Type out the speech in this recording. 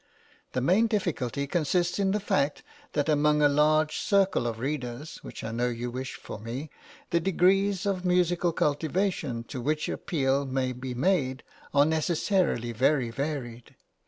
The main difficulty consists in the fact' that among a large circle of readers (which I know you wish for me) the degrees of musical cultivation to which appeal may be made are necessarily very varied.